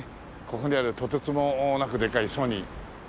ここにあるとてつもなくでかいソニー。